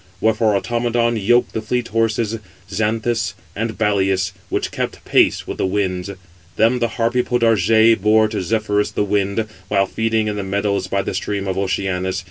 Wherefore Automedon yoked the fleet horses, Xanthus and Balius, which kept pace with the winds. Them the Harpy Podargé bore to Zephyrus, the wind, while feeding in the meadows by the stream of Oceanus.